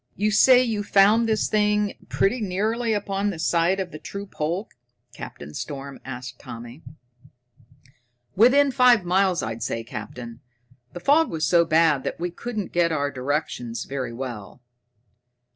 "You say you found this thing pretty nearly upon the site of the true pole?" Captain Storm asked Tommy. "Within five miles, I'd say, Captain. The fog was so bad that we couldn't get our directions very well."